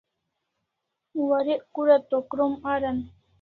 Warek kura to krom aran